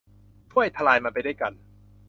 ช่วยทลายมันไปด้วยกัน